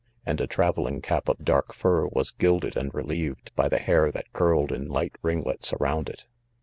and a. travelling cap of dark fur, was gilded and relieved by the hair that curled in light ringlets around it.